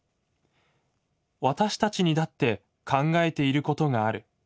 私たちにだって考えていることがある。